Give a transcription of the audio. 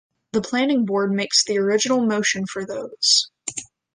The Planning Board makes the original motion for those.